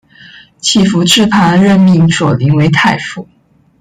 乞伏炽磐任命索棱为太傅。